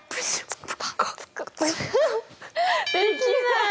できない。